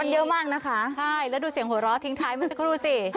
มันเยอะมากนะคะใช่แล้วดูเสียงหัวเราะทิ้งท้ายเมื่อสักครู่ดูสิ